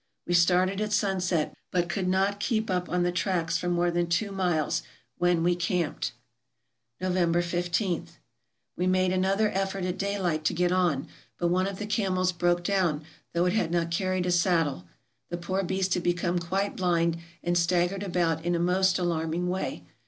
We started at sunset, but could not keep on the tracks for more than two miles, when we camped. November ij. — We made another effort at daylight to get on, but one of the camels broke down, though it had not carried a saddle. The poor beast had become quite blind, and staggered about in a most alarming way.